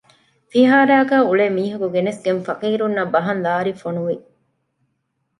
ފިހާރައިގައި އުޅޭ މީހަކު ގެނެސްގެން ފަޤީރުންނަށް ބަހަން ލާރި ފޮނުވި